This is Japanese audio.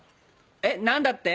えっ何だって？